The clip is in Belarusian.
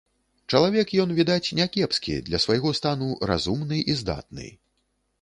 Чалавек ён, відаць, не кепскі, для свайго стану разумны і здатны.